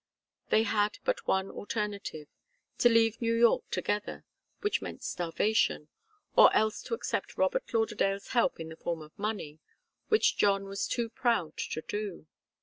They had but one alternative to leave New York together, which meant starvation, or else to accept Robert Lauderdale's help in the form of money, which John was too proud to do.